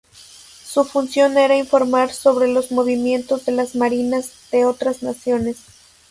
Su función era informar sobre los movimientos de las marinas de otras naciones.